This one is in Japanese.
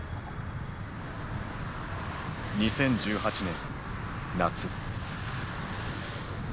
２０１８年夏。